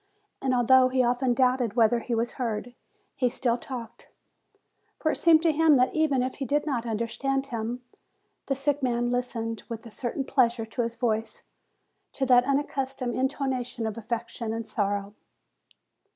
And al though he often doubted whether he was heard, he still talked; for it seemed to him that even if he did not understand him, the sick man listened with a DADDY'S NURSE 137 certain pleasure to his voice, to that unaccustomed intonation of affection and sorrow.